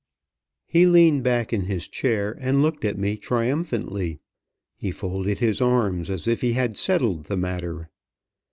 He leaned back in his chair, and looked at me triumphantly. He folded his arms as if he had settled the matter.